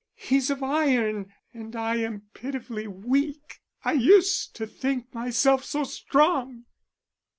He's of iron, and I am pitifully weak.... I used to think myself so strong!"